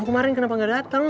kok udah sundah bisa capacit